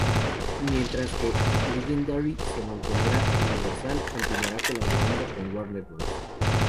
Mientras que Legendary se mantendrá en Universal, continuará colaborando con Warner Bros.